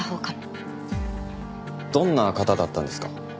どんな方だったんですか？